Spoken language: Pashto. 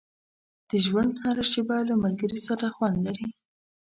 • د ژوند هره شېبه له ملګري سره خوند لري.